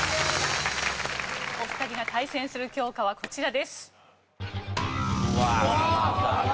お二人が対戦する教科はこちらです。